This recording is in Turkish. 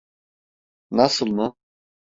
Nasıl mı?